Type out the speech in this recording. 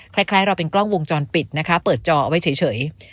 คล้ายเราเป็นกล้องวงจรปิดนะคะเปิดจอเอาไว้เฉย